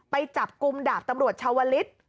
ไปจับกุมดาบตำรวจชาววริสต์